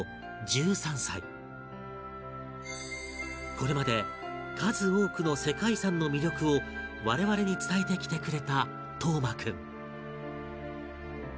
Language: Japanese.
これまで数多くの世界遺産の魅力を我々に伝えてきてくれた登眞君